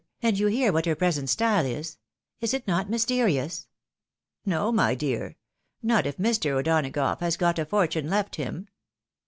And you hear what her present style is ! Is it not mysterious ?"" No, my dear ; not if Mr. O'Donagough has got a fortune left him."